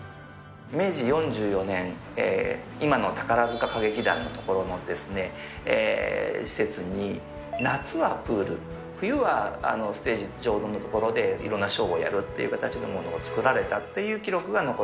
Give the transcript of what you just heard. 明治４４年、今の宝塚歌劇団のところのですね、施設に夏はプール、冬はステージ上の所でいろんなショーをやるっていう形のものを造